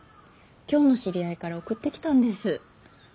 京の知り合いから送ってきたんです。